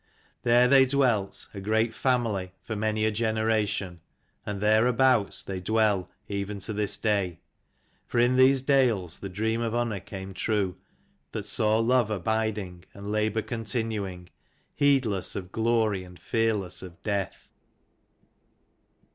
There they dwelt, a great family, for many a generation, and thereabouts they dwell even to this day. For in these dales the dream of Unna came true, that saw love abiding and labour continuing, heedless of glory and fearless of death.